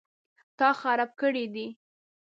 _تا خراب کړی دی؟